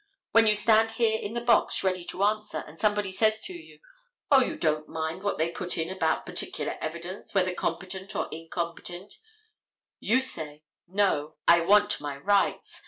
When you stand there in the box ready to answer, and somebody says to you, "O, don't mind what they put in about particular evidence, whether competent or incompetent," you say, "No, I want my rights.